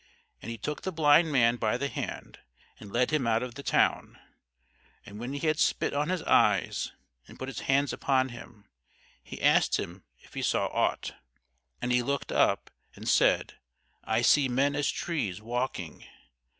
And he took the blind man by the hand, and led him out of the town; and when he had spit on his eyes, and put his hands upon him, he asked him if he saw ought. And he looked up, and said, I see men as trees, walking.